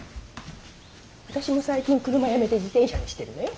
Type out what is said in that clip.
私も最近車やめて自転車にしてるのよ。